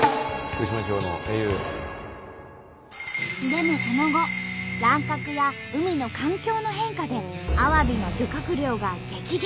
でもその後乱獲や海の環境の変化でアワビの漁獲量が激減。